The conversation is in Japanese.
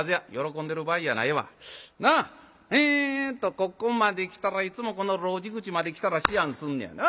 ここまで来たらいつもこの路地口まで来たら思案すんねやな。